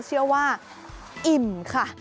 เชื่อว่าอิ่มค่ะ